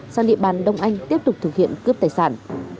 sang địa bàn đông anh tiếp tục thực hiện cướp tài sản